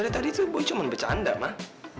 dari tadi tuh boy cuma bercanda mah